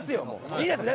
いいですね？